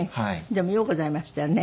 でもようございましたよね。